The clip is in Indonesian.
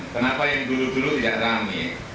kenapa yang dulu dulu tidak rame